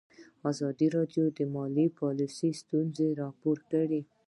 ازادي راډیو د مالي پالیسي ستونزې راپور کړي.